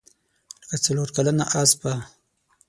لکه څلورکلنه اسپه.